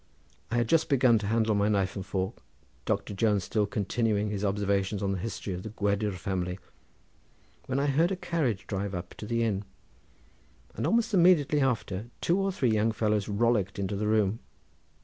I had just begun to handle my knife and fork, Doctor Jones still continuing his observations on the history of the Gwedir family, when I heard a carriage drive up to the inn, and almost immediately after two or three young fellows rollicked into the room.